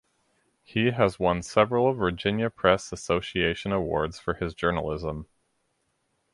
He has won several Virginia Press Association awards for his journalism.